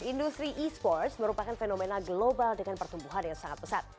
industri e sports merupakan fenomena global dengan pertumbuhan yang sangat pesat